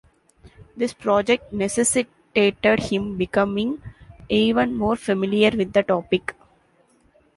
This project necessitated him becoming even more familiar with the topic.